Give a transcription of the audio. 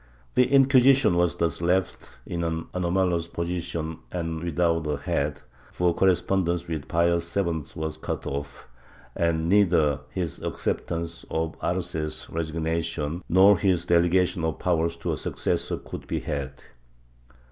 The Inquisition was thus left in an anomalous position and without a head, for correspondence with Pius VII was cut off, and neither his accept ance of Arce's resignation nor his delegation of powers to a succes sor could be had.